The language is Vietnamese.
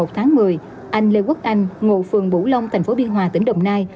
một tháng một mươi anh lê quốc anh ngụ phường bũ long thành phố biên hòa tỉnh đồng nai